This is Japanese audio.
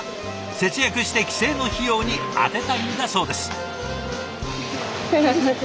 節約して帰省の費用に充てたいんだそうです。